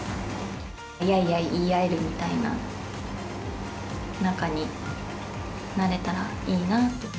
やいやい言い合えるみたいな仲になれたらいいな。